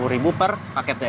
lima puluh ribu per paketnya ya